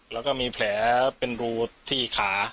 แล้วก็มีแผลเป็นรูที่ขา